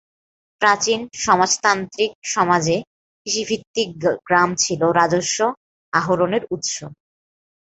প্রাচীন সামন্ততান্ত্রিক সমাজে কৃষিভিত্তিক গ্রাম ছিল রাজস্ব আহরণের উৎস।